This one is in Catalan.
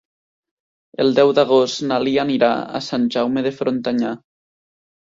El deu d'agost na Lia anirà a Sant Jaume de Frontanyà.